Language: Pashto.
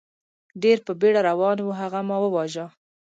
ډېر په بېړه روان و، هغه ما و واژه.